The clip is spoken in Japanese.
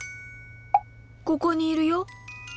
ここにいるよ。